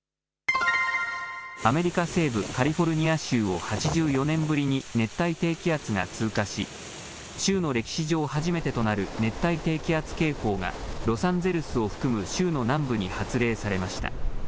アメリカ西部カリフォルニア州を８４年ぶりに熱帯低気圧が通過し、州の歴史上初めてとなる熱帯低気圧警報が、ロサンゼルスを含む州の南部に発令されました。